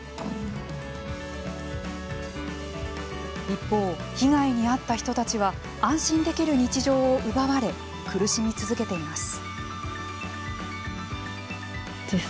一方、被害に遭った人たちは安心できる日常を奪われ苦しみ続けています。